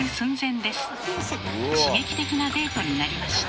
刺激的なデートになりました。